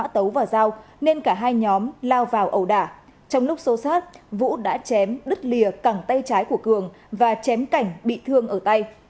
trong lúc sâu sát vũ đã chém đứt lìa cẳng tay trái của cường và chém cảnh bị thương ở tay